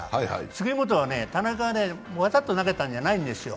杉本はね、田中が技と投げたんじゃないんですよ。